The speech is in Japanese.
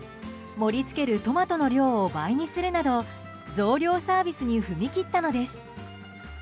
盛り付けるトマトの量を倍にするなど増量サービスに踏み切ったのです。